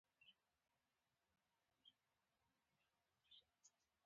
هغې د زړه له کومې د زړه ستاینه هم وکړه.